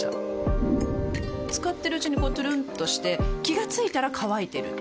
使ってるうちにこうトゥルンとして気が付いたら乾いてる